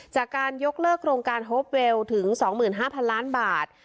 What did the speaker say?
จากการยกเลิกโรงการโฮปเวลถึงสองหมื่นห้าพันล้านบาท